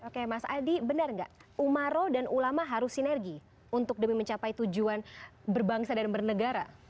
oke mas adi benar nggak umaro dan ulama harus sinergi untuk demi mencapai tujuan berbangsa dan bernegara